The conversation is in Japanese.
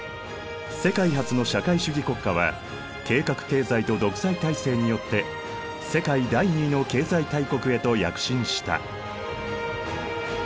世界初の社会主義国家は計画経済と独裁体制によって世界第２の経済大国へと躍進した。